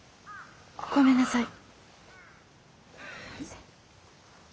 ごめんなさい。